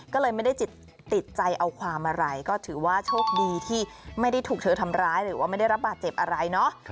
ก็เลยไม่ได้ติดใจเอาความอะไรก็ถือว่าโชคดีที่ไม่ได้ถูกเธอทำร้ายหรือว่าไม่ได้รับบาดเจ็บอะไรเนาะ